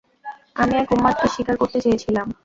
আমি এক উন্মাদকে শিকার করতে চেয়েছিলাম।